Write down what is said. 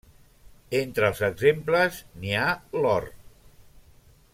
Entre els exemples, n'hi ha l'or.